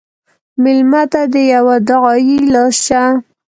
مېلمه ته د یوه دعایي لاس شه.